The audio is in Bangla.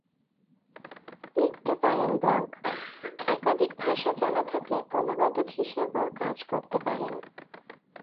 লিখতে পারেন ব্লগ, একাধিক ভাষা জানা থাকলে অনুবাদক হিসেবেও কাজ করতে পারেন।